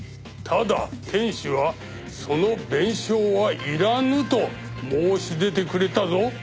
ただ店主はその弁償はいらぬと申し出てくれたぞ。